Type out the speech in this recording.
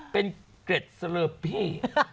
เป็นเกร็ดเสลอพี่